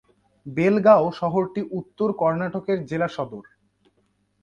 বেলগাঁও শহরটি উত্তর কর্ণাটকের জেলা সদর।